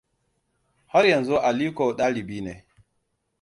Har yanzu Aliko dalibi ne.